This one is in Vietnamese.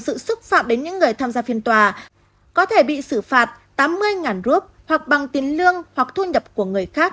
sự xúc phạm đến những người tham gia phiên tòa có thể bị xử phạt tám mươi rup hoặc bằng tiền lương hoặc thu nhập của người khác